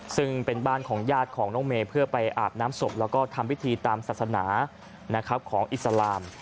ซึ่งเป็นบ้านของญาติของน้องเมย์เพื่อไปอาบน้ำศพแล้วก็ทำพิธีตามศาสนาของอิสลาม